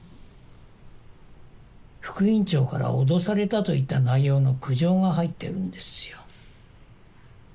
「副院長から脅された」といった内容の苦情が入ってるんですよ。